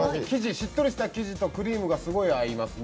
しっとりした生地とクリームがすごい合いますね。